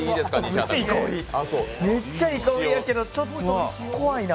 めっちゃいい香りやけど、ちょっと怖いなあ。